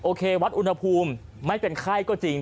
วัดอุณหภูมิไม่เป็นไข้ก็จริง